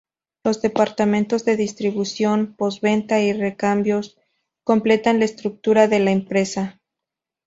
Los departamentos de distribución, pos-venta y recambios completan la estructura de la empresa.